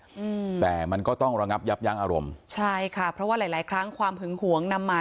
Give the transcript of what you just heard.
อืมแต่มันก็ต้องระงับยับยั้งอารมณ์ใช่ค่ะเพราะว่าหลายหลายครั้งความหึงหวงนำมา